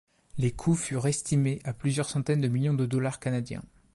Les coûts furent estimés à plusieurs centaines de millions de dollars canadiens.